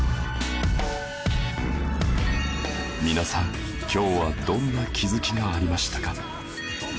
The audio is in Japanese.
皆さん今日はどんな気づきがありましたか？